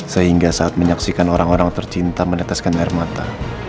sehingga saat menyaksikan orang orang tercinta meneteskan air mata